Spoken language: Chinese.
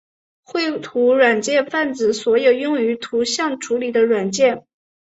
绘图软件泛指所有用于图像处理的软体。